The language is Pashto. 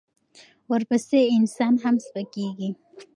ورپسې انسان هم سپکېږي.